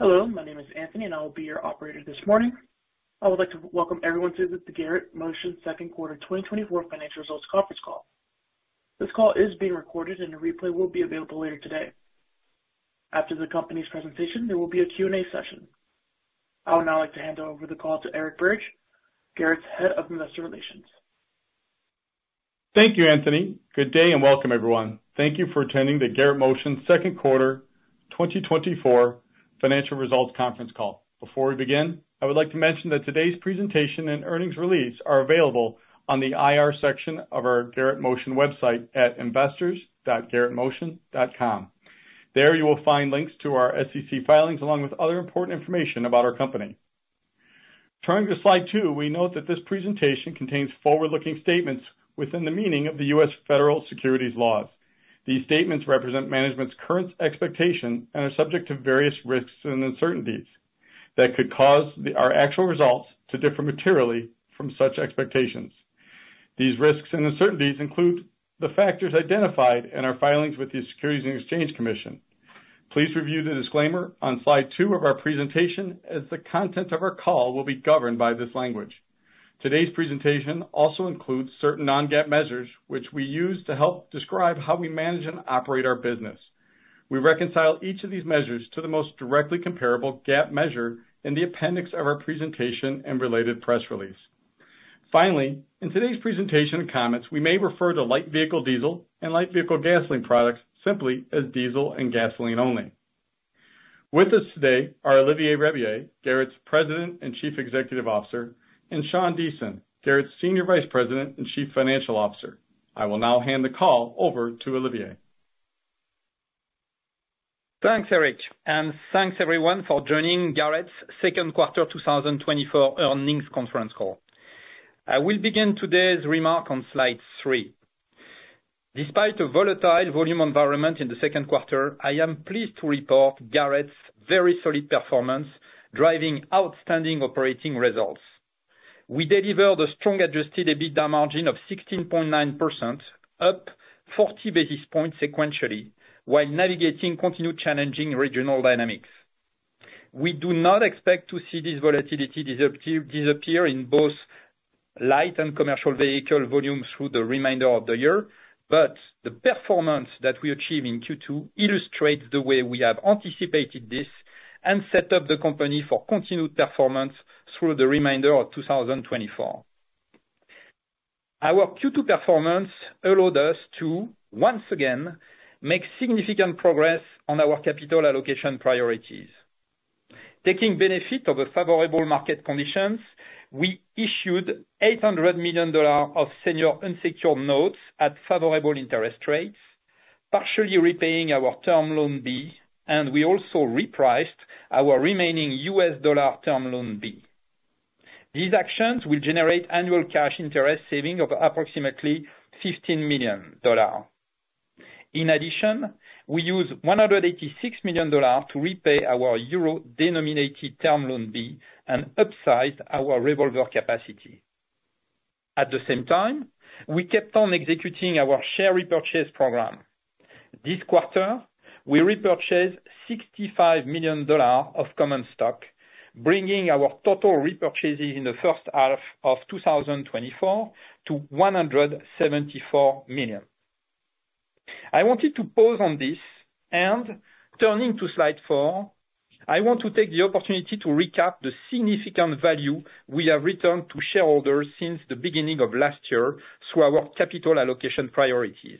Hello, my name is Anthony, and I will be your operator this morning. I would like to welcome everyone to the Garrett Motion Second Quarter 2024 Financial Results Conference Call. This call is being recorded, and a replay will be available later today. After the company's presentation, there will be a Q&A session. I would now like to hand over the call to Eric Birge, Garrett's Head of Investor Relations. Thank you, Anthony. Good day, and welcome, everyone. Thank you for attending the Garrett Motion Second Quarter 2024 Financial Results Conference Call. Before we begin, I would like to mention that today's presentation and earnings release are available on the IR section of our Garrett Motion website at investors.garrettmotion.com. There, you will find links to our SEC filings, along with other important information about our company. Turning to Slide 2, we note that this presentation contains forward-looking statements within the meaning of the U.S. federal securities laws. These statements represent management's current expectation and are subject to various risks and uncertainties that could cause our actual results to differ materially from such expectations. These risks and uncertainties include the factors identified in our filings with the Securities and Exchange Commission. Please review the disclaimer on Slide 2 of our presentation, as the content of our call will be governed by this language. Today's presentation also includes certain non-GAAP measures, which we use to help describe how we manage and operate our business. We reconcile each of these measures to the most directly comparable GAAP measure in the appendix of our presentation and related press release. Finally, in today's presentation and comments, we may refer to light vehicle diesel and light vehicle gasoline products simply as diesel and gasoline only. With us today are Olivier Rabiller, Garrett's President and Chief Executive Officer, and Sean Deason, Garrett's Senior Vice President and Chief Financial Officer. I will now hand the call over to Olivier. Thanks, Eric, and thanks, everyone, for joining Garrett's second quarter 2024 earnings conference call. I will begin today's remark on Slide 3. Despite a volatile volume environment in the second quarter, I am pleased to report Garrett's very solid performance, driving outstanding operating results. We delivered a strong Adjusted EBITDA margin of 16.9%, up 40 basis points sequentially, while navigating continued challenging regional dynamics. We do not expect to see this volatility disappear in both light and commercial vehicle volumes through the remainder of the year, but the performance that we achieve in Q2 illustrates the way we have anticipated this, and set up the company for continued performance through the remainder of 2024. Our Q2 performance allowed us to, once again, make significant progress on our capital allocation priorities. Taking benefit of the favorable market conditions, we issued $800 million of senior unsecured notes at favorable interest rates, partially repaying our Term Loan B, and we also repriced our remaining U.S. dollar Term Loan B. These actions will generate annual cash interest saving of approximately $15 million. In addition, we use $186 million to repay our euro-denominated Term Loan B and upsize our revolver capacity. At the same time, we kept on executing our share repurchase program. This quarter, we repurchased $65 million of common stock, bringing our total repurchases in the first half of 2024 to $174 million. I wanted to pause on this, and turning to Slide 4, I want to take the opportunity to recap the significant value we have returned to shareholders since the beginning of last year through our capital allocation priorities.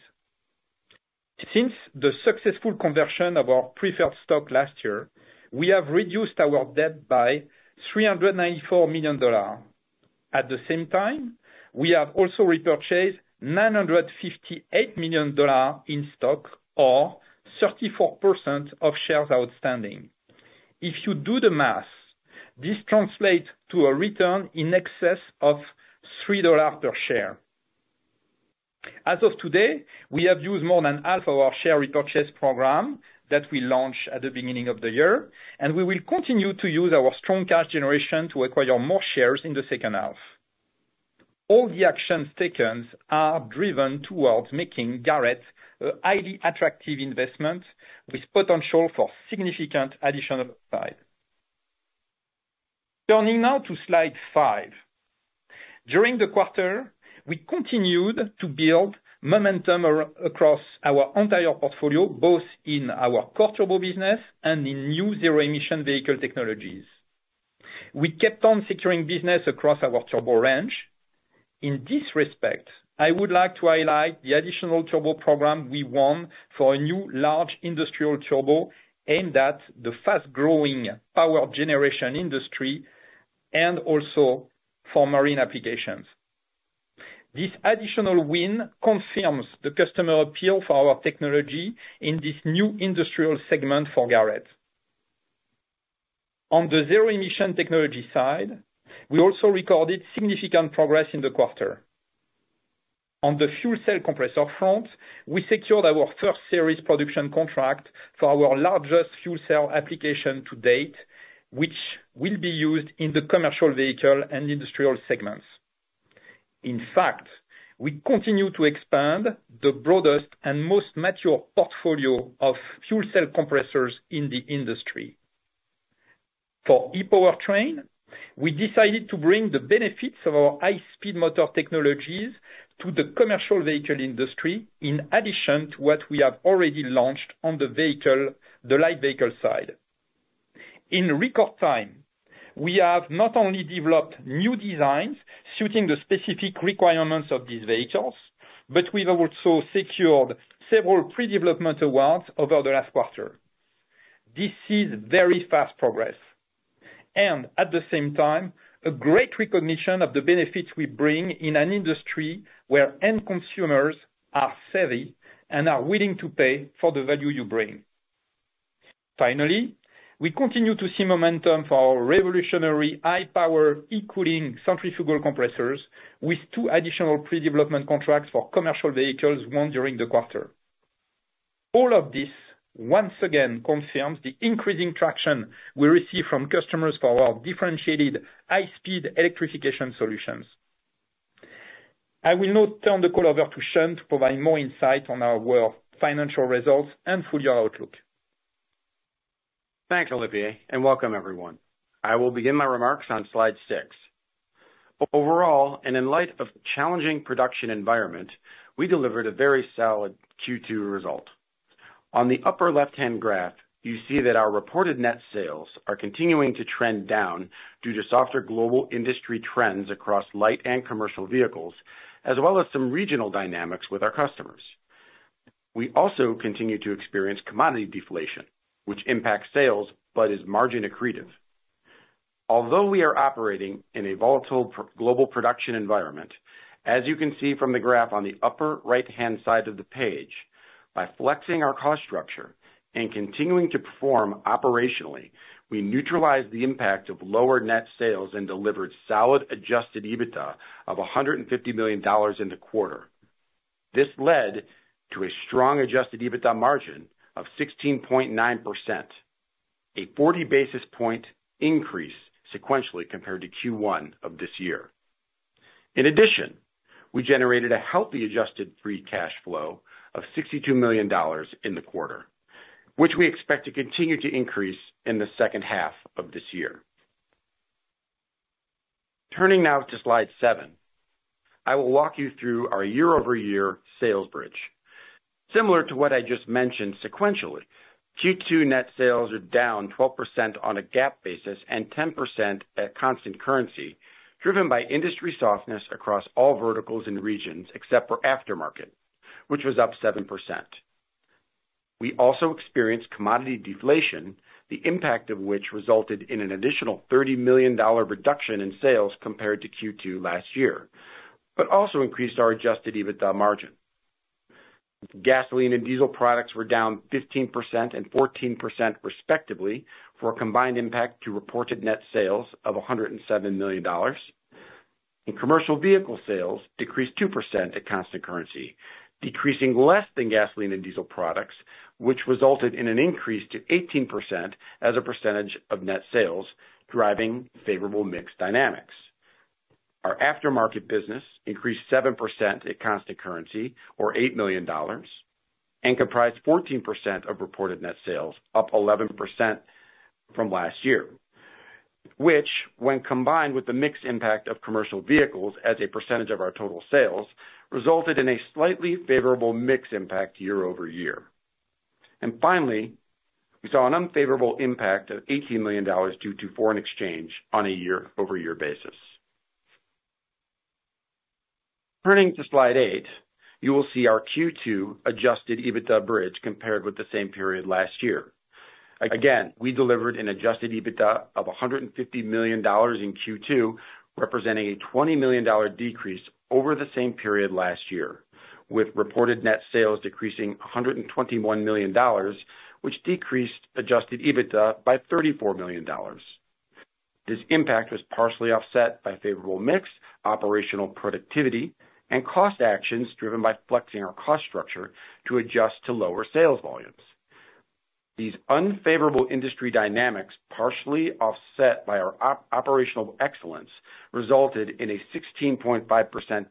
Since the successful conversion of our preferred stock last year, we have reduced our debt by $394 million. At the same time, we have also repurchased $958 million in stock or 34% of shares outstanding. If you do the math, this translates to a return in excess of $3 per share. As of today, we have used more than half of our share repurchase program that we launched at the beginning of the year, and we will continue to use our strong cash generation to acquire more shares in the second half. All the actions taken are driven towards making Garrett a highly attractive investment, with potential for significant additional upside. Turning now to Slide 5. During the quarter, we continued to build momentum across our entire portfolio, both in our core turbo business and in new zero-emission vehicle technologies. We kept on securing business across our turbo range. In this respect, I would like to highlight the additional turbo program we won for a new large industrial turbo aimed at the fast-growing power generation industry and also for marine applications. This additional win confirms the customer appeal for our technology in this new industrial segment for Garrett. On the zero-emission technology side, we also recorded significant progress in the quarter. On the fuel cell compressor front, we secured our first series production contract for our largest fuel cell application to date, which will be used in the commercial vehicle and industrial segments. In fact, we continue to expand the broadest and most mature portfolio of fuel cell compressors in the industry. For e-powertrain, we decided to bring the benefits of our high-speed motor technologies to the commercial vehicle industry, in addition to what we have already launched on the vehicle, the light vehicle side. In record time, we have not only developed new designs suiting the specific requirements of these vehicles, but we've also secured several pre-development awards over the last quarter. This is very fast progress, and at the same time, a great recognition of the benefits we bring in an industry where end consumers are savvy and are willing to pay for the value you bring. Finally, we continue to see momentum for our revolutionary high-power, e-cooling centrifugal compressors, with two additional pre-development contracts for commercial vehicles won during the quarter. All of this once again confirms the increasing traction we receive from customers for our differentiated high-speed electrification solutions. I will now turn the call over to Sean to provide more insight on our Q3 financial results and full-year outlook. Thanks, Olivier, and welcome, everyone. I will begin my remarks on slide 6. Overall, and in light of the challenging production environment, we delivered a very solid Q2 result. On the upper left-hand graph, you see that our reported net sales are continuing to trend down due to softer global industry trends across light and commercial vehicles, as well as some regional dynamics with our customers. We also continue to experience commodity deflation, which impacts sales but is margin accretive. Although we are operating in a volatile global production environment, as you can see from the graph on the upper right-hand side of the page, by flexing our cost structure and continuing to perform operationally, we neutralized the impact of lower net sales and delivered solid Adjusted EBITDA of $150 million in the quarter. This led to a strong Adjusted EBITDA margin of 16.9%, a 40 basis point increase sequentially compared to Q1 of this year. In addition, we generated a healthy Adjusted Free Cash Flow of $62 million in the quarter, which we expect to continue to increase in the second half of this year. Turning now to slide 7, I will walk you through our year-over-year sales bridge. Similar to what I just mentioned sequentially, Q2 net sales are down 12% on a GAAP basis and 10% at constant currency, driven by industry softness across all verticals and regions, except for aftermarket, which was up 7%. We also experienced commodity deflation, the impact of which resulted in an additional $30 million reduction in sales compared to Q2 last year, but also increased our Adjusted EBITDA margin. Gasoline and diesel products were down 15% and 14% respectively, for a combined impact to reported net sales of $107 million. In commercial vehicle sales decreased 2% at constant currency, decreasing less than gasoline and diesel products, which resulted in an increase to 18% as a percentage of net sales, driving favorable mix dynamics. Our Aftermarket business increased 7% at constant currency, or $8 million, and comprised 14% of reported net sales, up 11% from last year, which, when combined with the mix impact of commercial vehicles as a percentage of our total sales, resulted in a slightly favorable mix impact year-over-year. Finally, we saw an unfavorable impact of $18 million due to foreign exchange on a year-over-year basis. Turning to slide 8, you will see our Q2 adjusted EBITDA bridge compared with the same period last year. Again, we delivered an adjusted EBITDA of $150 million in Q2, representing a $20 million decrease over the same period last year, with reported net sales decreasing $121 million, which decreased adjusted EBITDA by $34 million. This impact was partially offset by favorable mix, operational productivity, and cost actions driven by flexing our cost structure to adjust to lower sales volumes. These unfavorable industry dynamics, partially offset by our operational excellence, resulted in a 16.5%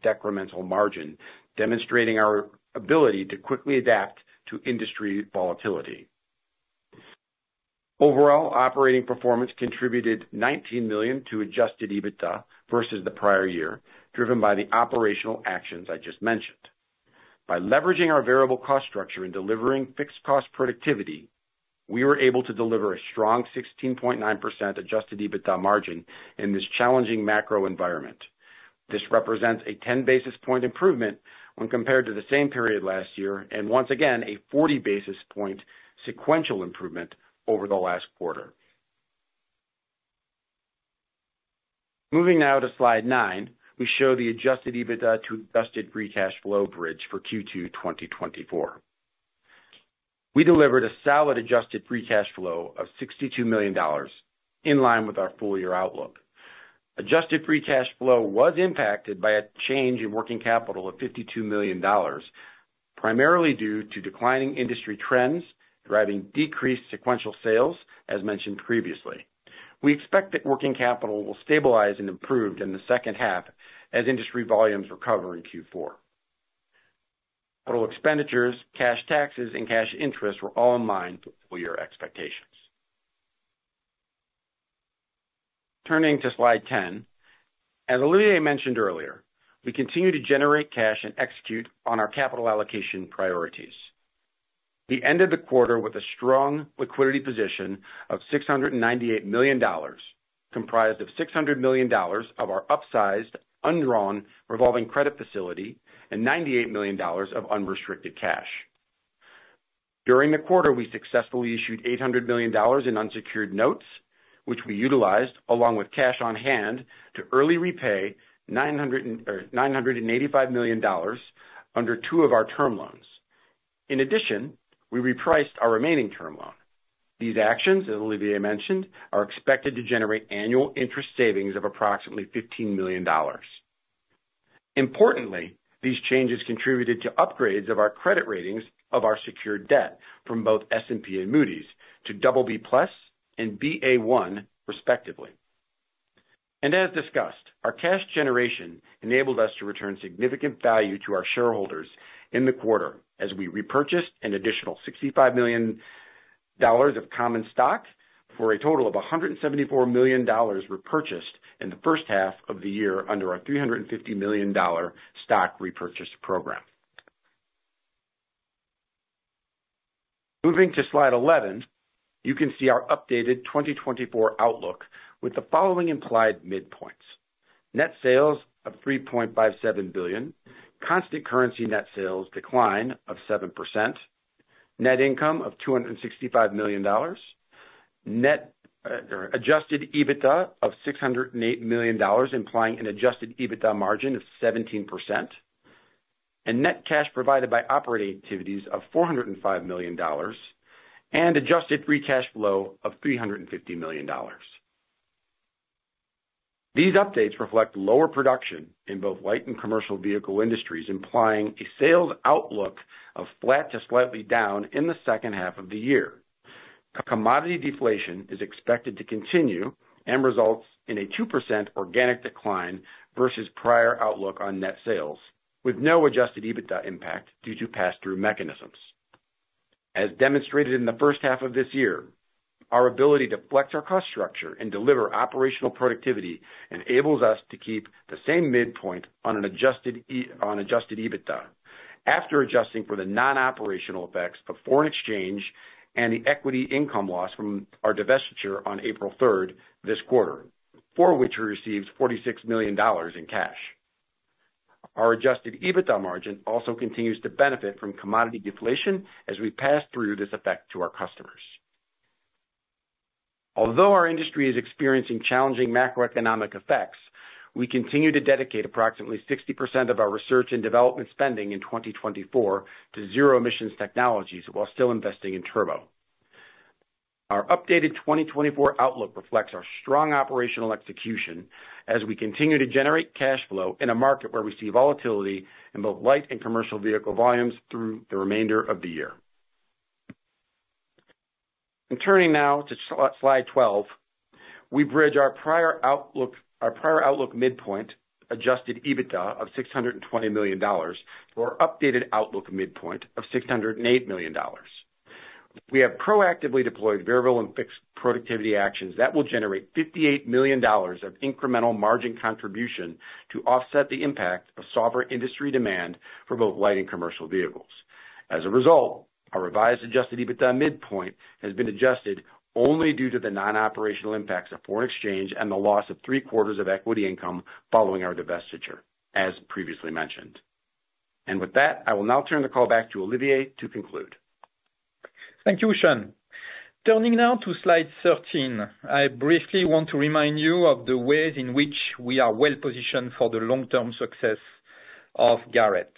decremental margin, demonstrating our ability to quickly adapt to industry volatility. Overall, operating performance contributed $19 million to adjusted EBITDA versus the prior year, driven by the operational actions I just mentioned. By leveraging our variable cost structure and delivering fixed cost productivity, we were able to deliver a strong 16.9% Adjusted EBITDA margin in this challenging macro environment. This represents a 10 basis point improvement when compared to the same period last year, and once again, a 40 basis point sequential improvement over the last quarter. Moving now to slide 9, we show the Adjusted EBITDA to Adjusted Free Cash Flow bridge for Q2 2024. We delivered a solid Adjusted Free Cash Flow of $62 million, in line with our full year outlook. Adjusted Free Cash Flow was impacted by a change in working capital of $52 million, primarily due to declining industry trends, driving decreased sequential sales, as mentioned previously. We expect that working capital will stabilize and improve in the second half as industry volumes recover in Q4. Total expenditures, cash taxes, and cash interest were all in line with full-year expectations. Turning to slide 10, as Olivier mentioned earlier, we continue to generate cash and execute on our capital allocation priorities. We ended the quarter with a strong liquidity position of $698 million, comprised of $600 million of our upsized, undrawn, revolving credit facility, and $98 million of unrestricted cash. During the quarter, we successfully issued $800 million in unsecured notes, which we utilized, along with cash on hand, to early repay $985 million under two of our term loans. In addition, we repriced our remaining term loan. These actions, as Olivier mentioned, are expected to generate annual interest savings of approximately $15 million. Importantly, these changes contributed to upgrades of our credit ratings of our secured debt from both S&P and Moody's to BB+ and Ba1, respectively. As discussed, our cash generation enabled us to return significant value to our shareholders in the quarter, as we repurchased an additional $65 million of common stock for a total of $174 million repurchased in the first half of the year under our $350 million stock repurchase program. Moving to slide 11, you can see our updated 2024 outlook with the following implied midpoints: Net sales of $3.57 billion, constant currency net sales decline of 7%, net income of $265 million, net- or adjusted EBITDA of $608 million, implying an adjusted EBITDA margin of 17%, and net cash provided by operating activities of $405 million, and adjusted free cash flow of $350 million. These updates reflect lower production in both light and commercial vehicle industries, implying a sales outlook of flat to slightly down in the second half of the year. A commodity deflation is expected to continue and results in a 2% organic decline versus prior outlook on net sales, with no adjusted EBITDA impact due to pass-through mechanisms. As demonstrated in the first half of this year, our ability to flex our cost structure and deliver operational productivity enables us to keep the same midpoint on an adjusted EBITDA, after adjusting for the non-operational effects of foreign exchange and the equity income loss from our divestiture on April 3rd this quarter, for which we received $46 million in cash. Our adjusted EBITDA margin also continues to benefit from commodity deflation as we pass through this effect to our customers. Although our industry is experiencing challenging macroeconomic effects, we continue to dedicate approximately 60% of our research and development spending in 2024 to zero-emission technologies, while still investing in turbo. Our updated 2024 outlook reflects our strong operational execution as we continue to generate cash flow in a market where we see volatility in both light and commercial vehicle volumes through the remainder of the year. Turning now to slide 12, we bridge our prior outlook, our prior outlook midpoint, Adjusted EBITDA of $620 million to our updated outlook midpoint of $608 million. We have proactively deployed variable and fixed productivity actions that will generate $58 million of incremental margin contribution to offset the impact of softer industry demand for both light and commercial vehicles. As a result, our revised Adjusted EBITDA midpoint has been adjusted only due to the non-operational impacts of foreign exchange and the loss of three quarters of equity income following our divestiture, as previously mentioned. With that, I will now turn the call back to Olivier to conclude. Thank you, Sean. Turning now to slide 13, I briefly want to remind you of the ways in which we are well positioned for the long-term success of Garrett.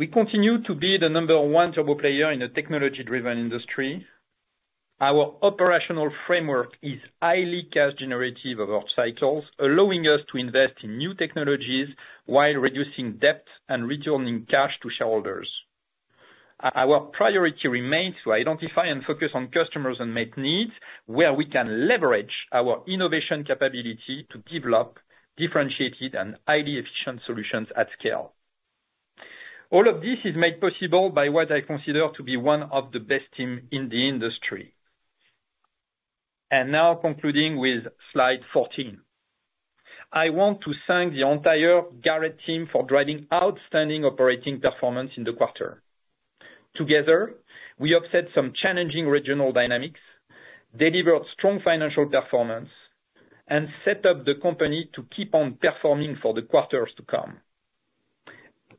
We continue to be the number one turbo player in a technology-driven industry. Our operational framework is highly cash generative of our cycles, allowing us to invest in new technologies while reducing debt and returning cash to shareholders. Our priority remains to identify and focus on customers' unmet needs, where we can leverage our innovation capability to develop differentiated and highly efficient solutions at scale. All of this is made possible by what I consider to be one of the best team in the industry. Now, concluding with slide 14. I want to thank the entire Garrett team for driving outstanding operating performance in the quarter. Together, we offset some challenging regional dynamics, delivered strong financial performance, and set up the company to keep on performing for the quarters to come.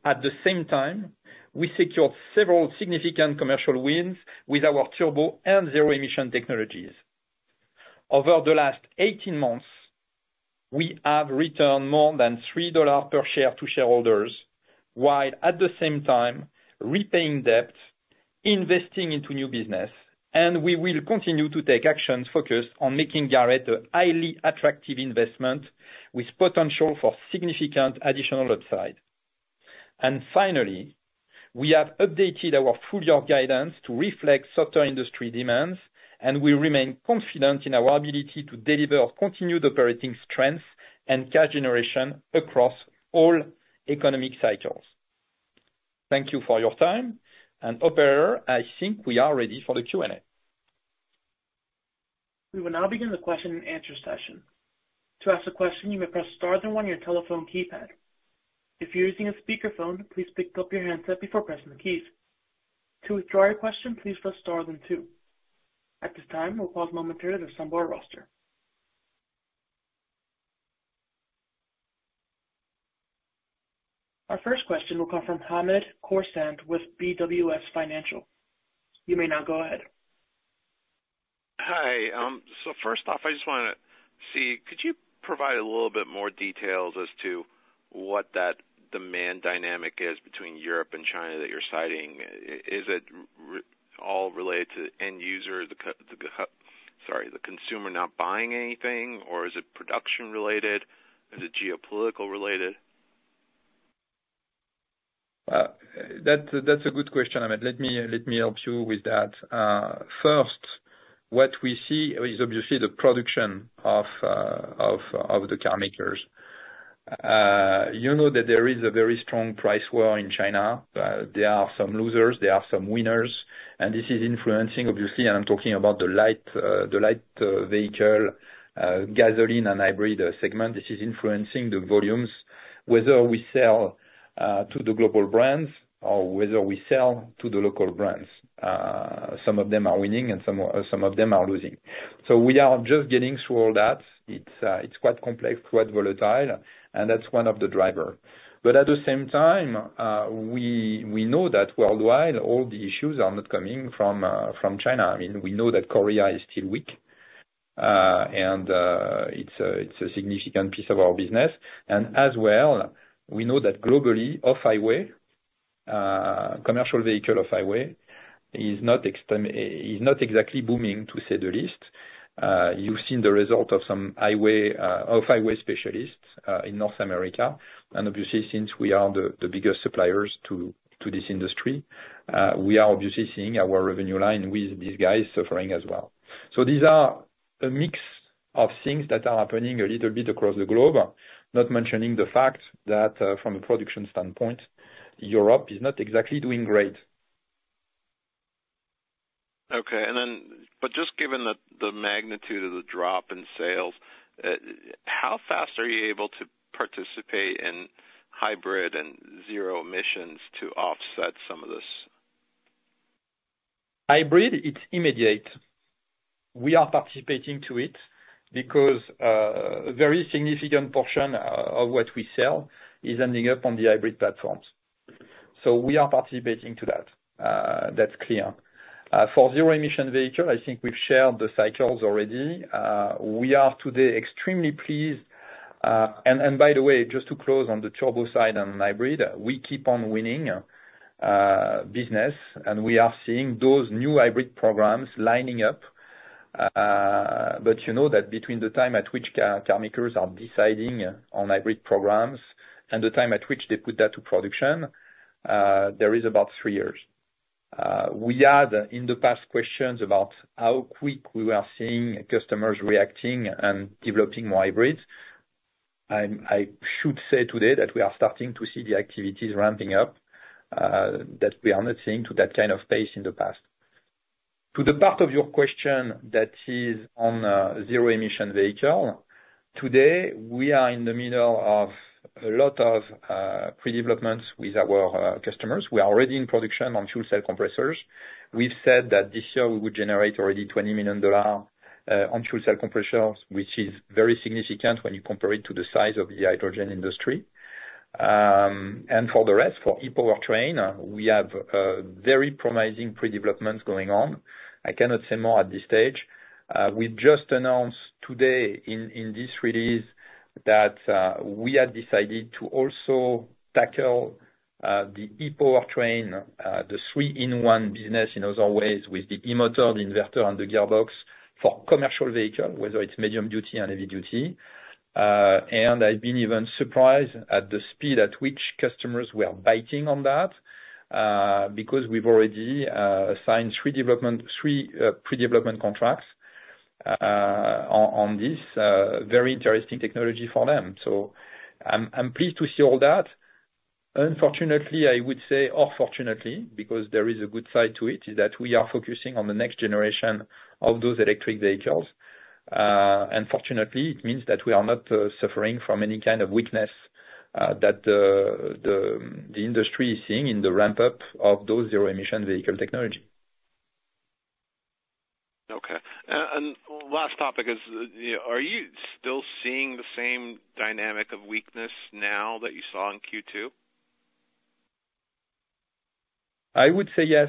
At the same time, we secured several significant commercial wins with our turbo and zero-emission technologies. Over the last 18 months, we have returned more than $3 per share to shareholders, while at the same time, repaying debt, investing into new business, and we will continue to take actions focused on making Garrett a highly attractive investment, with potential for significant additional upside. And finally, we have updated our full-year guidance to reflect softer industry demands, and we remain confident in our ability to deliver continued operating strength and cash generation across all economic cycles. Thank you for your time, and operator, I think we are ready for the Q&A. We will now begin the question and answer session. To ask a question, you may press star then one on your telephone keypad. If you're using a speakerphone, please pick up your handset before pressing the keys. To withdraw your question, please press star then two. At this time, we'll pause momentarily to assemble our roster. Our first question will come from Hamed Khorsand with BWS Financial. You may now go ahead. Hi. So first off, I just wanna see, could you provide a little bit more details as to what that demand dynamic is between Europe and China that you're citing? Is it all related to end user, the consumer not buying anything, or is it production related? Is it geopolitical related? That's a good question, Hamed. Let me help you with that. First, what we see is obviously the production of the car makers. You know that there is a very strong price war in China. There are some losers, there are some winners, and this is influencing, obviously, and I'm talking about the light vehicle gasoline and hybrid segment. This is influencing the volumes, whether we sell to the global brands or whether we sell to the local brands. Some of them are winning and some of them are losing. So we are just getting through all that. It's quite complex, quite volatile, and that's one of the drivers. But at the same time, we know that worldwide, all the issues are not coming from China. I mean, we know that Korea is still weak, and it's a significant piece of our business. And as well, we know that globally, off-highway commercial vehicle off-highway is not exactly booming, to say the least. You've seen the result of some highway off-highway specialists in North America. And obviously, since we are the biggest suppliers to this industry, we are obviously seeing our revenue line with these guys suffering as well. So these are a mix of things that are happening a little bit across the globe. Not mentioning the fact that from a production standpoint, Europe is not exactly doing great. Okay, and then, but just given the magnitude of the drop in sales, how fast are you able to participate in hybrid and zero emissions to offset some of this? Hybrid, it's immediate. We are participating to it, because a very significant portion of what we sell is ending up on the hybrid platforms. So we are participating to that, that's clear. For zero emission vehicle, I think we've shared the cycles already. We are today extremely pleased. And by the way, just to close on the turbo side on hybrid, we keep on winning business, and we are seeing those new hybrid programs lining up. But you know that between the time at which car makers are deciding on hybrid programs and the time at which they put that to production, there is about three years. We had, in the past, questions about how quick we are seeing customers reacting and developing more hybrids. I should say today that we are starting to see the activities ramping up, that we are not seeing to that kind of pace in the past. To the part of your question that is on zero emission vehicle, today, we are in the middle of a lot of pre-developments with our customers. We are already in production on fuel cell compressors. We've said that this year we would generate already $20 million on fuel cell compressors, which is very significant when you compare it to the size of the hydrogen industry. And for the rest, for e-powertrain, we have very promising pre-developments going on. I cannot say more at this stage. We just announced today in this release that we have decided to also tackle the e-powertrain, the 3-in-1 business, in other words, with the e-motor, the inverter, and the gearbox for commercial vehicle, whether it's medium-duty and heavy-duty. And I've been even surprised at the speed at which customers were biting on that because we've already signed three pre-development contracts on this very interesting technology for them. So I'm pleased to see all that. Unfortunately, I would say, or fortunately, because there is a good side to it, is that we are focusing on the next generation of those electric vehicles. And fortunately, it means that we are not suffering from any kind of weakness that the industry is seeing in the ramp-up of those zero-emission vehicle technology. Okay. And last topic is, you know, are you still seeing the same dynamic of weakness now that you saw in Q2? I would say yes,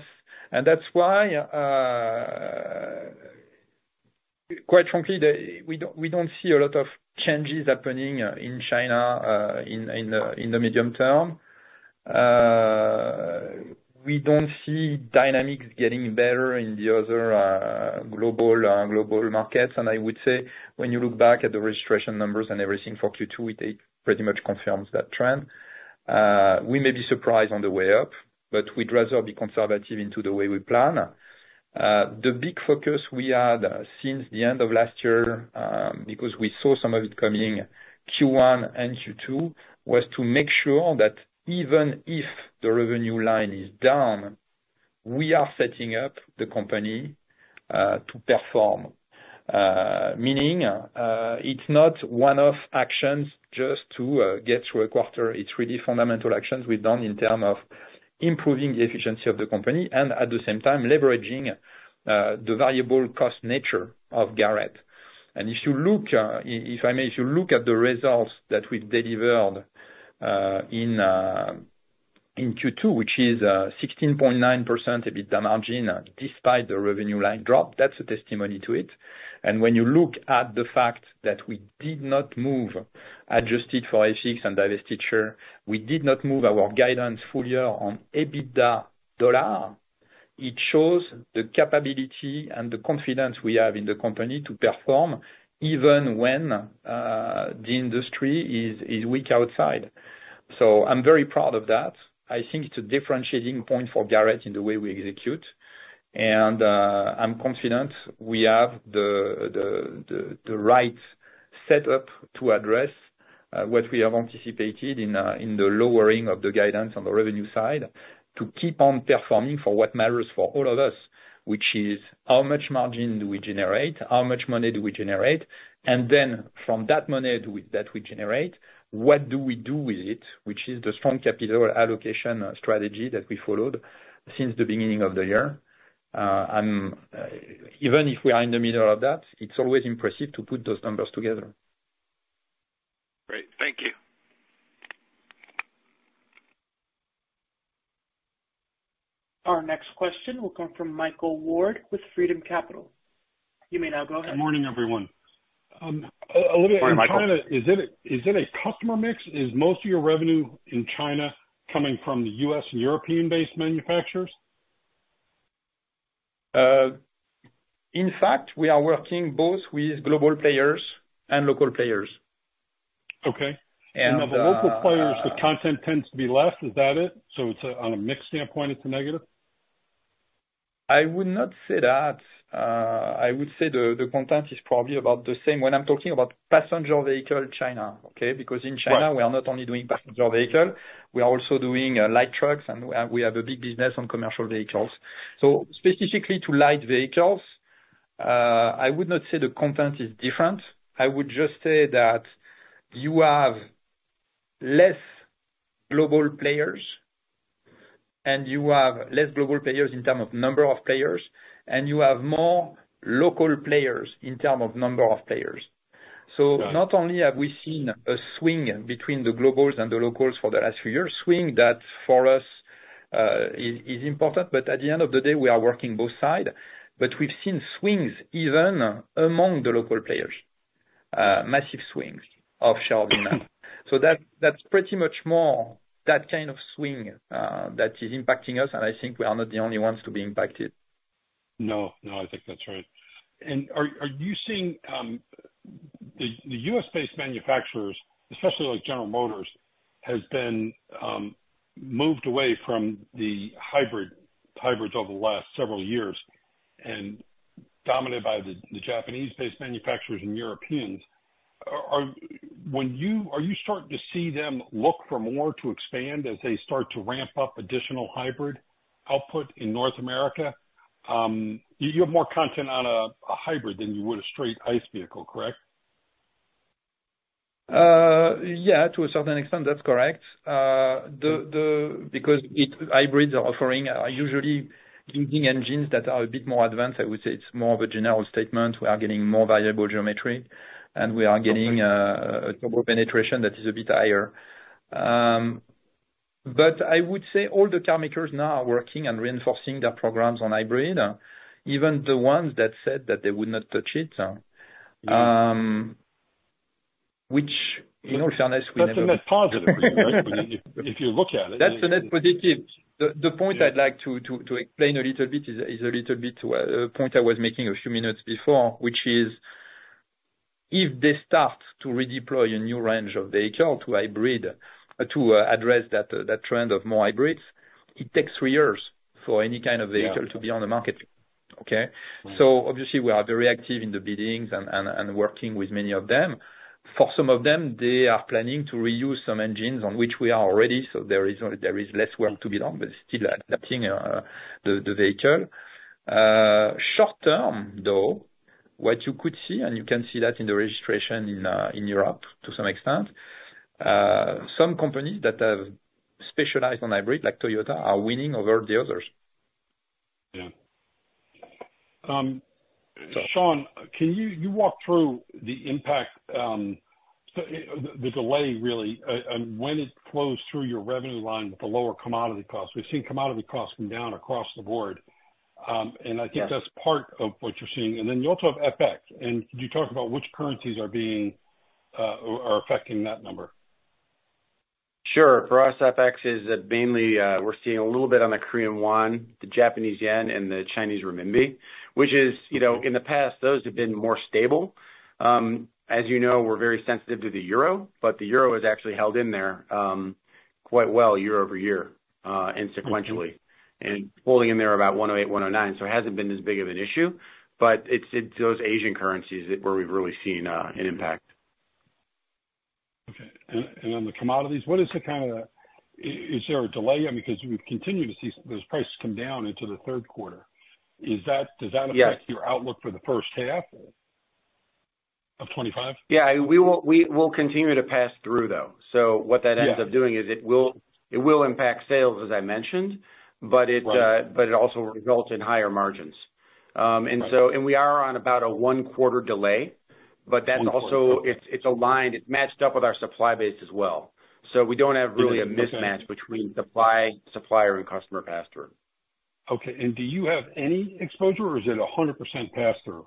and that's why... Quite frankly, we don't, we don't see a lot of changes happening in China in the medium term. We don't see dynamics getting better in the other global markets. And I would say, when you look back at the registration numbers and everything for Q2, it pretty much confirms that trend. We may be surprised on the way up, but we'd rather be conservative into the way we plan. The big focus we had since the end of last year, because we saw some of it coming Q1 and Q2, was to make sure that even if the revenue line is down, we are setting up the company to perform. Meaning, it's not one-off actions just to get through a quarter, it's really fundamental actions we've done in term of improving the efficiency of the company, and at the same time, leveraging the variable cost nature of Garrett. And if you look, if I may, if you look at the results that we've delivered in Q2, which is 16.9% EBITDA margin, despite the revenue line drop, that's a testimony to it. And when you look at the fact that we did not move, adjusted for FX and divestiture, we did not move our guidance full year on EBITDA dollar. It shows the capability and the confidence we have in the company to perform even when the industry is weak outside. So I'm very proud of that. I think it's a differentiating point for Garrett in the way we execute. I'm confident we have the right setup to address what we have anticipated in the lowering of the guidance on the revenue side, to keep on performing for what matters for all of us, which is how much margin do we generate? How much money do we generate? And then from that money that we generate, what do we do with it? Which is the strong capital allocation strategy that we followed since the beginning of the year. And even if we are in the middle of that, it's always impressive to put those numbers together. Great. Thank you. Our next question will come from Michael Ward with Freedom Capital. You may now go ahead. Good morning, everyone. Morning, Michael. Is it a customer mix? Is most of your revenue in China coming from the U.S. and European-based manufacturers? In fact, we are working both with global players and local players. Okay. And, uh- Of the local players, the content tends to be less, is that it? So it's, on a mix standpoint, it's a negative? I would not say that. I would say the content is probably about the same. When I'm talking about passenger vehicle, China, okay? Right. Because in China, we are not only doing passenger vehicle, we are also doing light trucks, and we have a big business on commercial vehicles. So specifically to light vehicles, I would not say the content is different. I would just say that you have less global players, and you have less global players in term of number of players, and you have more local players in term of number of players. Got it. Not only have we seen a swing between the globals and the locals for the last few years, that for us is important, but at the end of the day, we are working both sides. But we've seen swings even among the local players, massive swings of share demand. So, that's pretty much more that kind of swing that is impacting us, and I think we are not the only ones to be impacted. No, no, I think that's right. And are you seeing... The U.S.-based manufacturers, especially like General Motors, has been moved away from the hybrid, hybrids over the last several years, and dominated by the Japanese-based manufacturers and Europeans. Are you starting to see them look for more to expand as they start to ramp up additional hybrid output in North America? You have more content on a hybrid than you would a straight ICE vehicle, correct? Yeah, to a certain extent, that's correct. Because hybrids are usually giving engines that are a bit more advanced. I would say it's more of a general statement. We are getting more variable geometry, and we are getting a turbo penetration that is a bit higher. But I would say all the car makers now are working and reinforcing their programs on hybrid, even the ones that said that they would not touch it, which, in all fairness, we never- That's a net positive, if you look at it. That's a net positive. The point I'd like to explain a little bit is a little bit a point I was making a few minutes before, which is, if they start to redeploy a new range of vehicle to hybrid, to address that trend of more hybrids, it takes three years for any kind of vehicle- Yeah... to be on the market. Okay? Right. So obviously, we are very active in the biddings and working with many of them. For some of them, they are planning to reuse some engines on which we are already, so there is less work to be done, but still adapting the vehicle. Short term, though, what you could see, and you can see that in the registration in Europe to some extent, some companies that have specialized on hybrid, like Toyota, are winning over the others. Yeah. Sean, can you walk through the impact?... So, the delay really, and when it flows through your revenue line with the lower commodity costs, we've seen commodity costs come down across the board. And I think that's part of what you're seeing. And then you also have FX, and could you talk about which currencies are being, or are affecting that number? Sure. For us, FX is mainly, we're seeing a little bit on the Korean won, the Japanese yen, and the Chinese renminbi, which is, you know, in the past, those have been more stable. As you know, we're very sensitive to the euro, but the euro has actually held in there quite well year-over-year and sequentially. And holding in there about 108, 109, so it hasn't been as big of an issue, but it's those Asian currencies where we've really seen an impact. Okay. And on the commodities, what is the kind of, is there a delay? I mean, because we've continued to see those prices come down into the third quarter. Is that, does that affect- Yes... your outlook for the first half of 2025? Yeah, we will, we will continue to pass through, though. So what that ends up doing is it will- Yeah... it will impact sales, as I mentioned, but it- Right... but it also results in higher margins. And so- Right... and we are on about a one-quarter delay, but that's also- One quarter. It's aligned, it's matched up with our supply base as well. So we don't have really a mismatch between supply, supplier, and customer pass through. Okay. And do you have any exposure, or is it 100% pass through?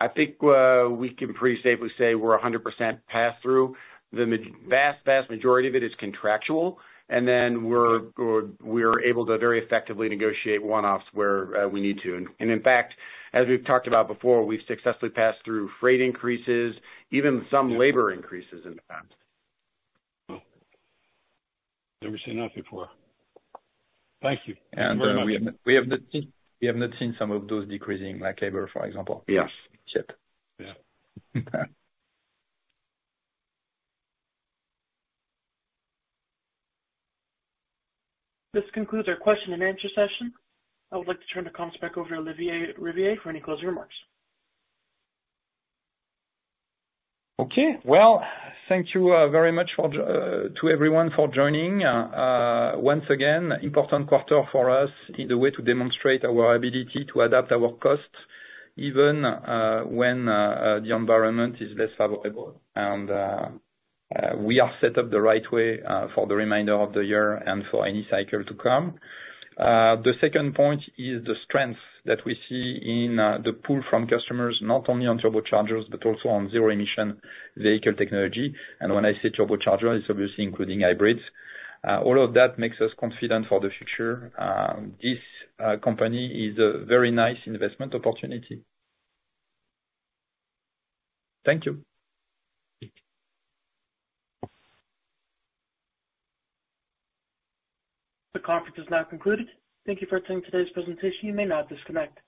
I think, we can pretty safely say we're 100% pass through. The vast, vast majority of it is contractual, and then we're able to very effectively negotiate one-offs where we need to. And in fact, as we've talked about before, we've successfully passed through freight increases, even some labor increases in the past. Never seen that before. Thank you. We have not seen some of those decreasing, like labor, for example- Yes... yet. Yeah. This concludes our question and answer session. I would like to turn the conference back over to Olivier Rabiller for any closing remarks. Okay. Well, thank you very much to everyone for joining. Once again, important quarter for us in the way to demonstrate our ability to adapt our costs, even when the environment is less favorable. And we are set up the right way for the remainder of the year and for any cycle to come. The second point is the strength that we see in the pool from customers, not only on turbochargers, but also on zero-emission vehicle technology. And when I say turbocharger, it's obviously including hybrids. All of that makes us confident for the future. This company is a very nice investment opportunity. Thank you. The conference is now concluded. Thank you for attending today's presentation. You may now disconnect.